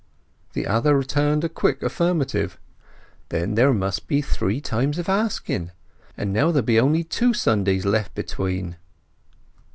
The other returned a quick affirmative. "And there must be three times of asking. And now there be only two Sundays left between."